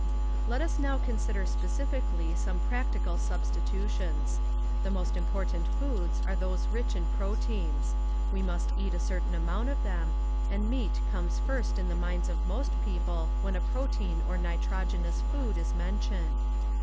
Let us now consider specifically some practical substitutions. The most important foods are those rich in proteins ; we must eat a certain amount of them, and meat comes first in the minds of p . most people when a protein or nitrogenous food is ,. mentioned.